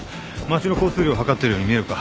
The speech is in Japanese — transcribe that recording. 町の交通量を測っているように見えるか？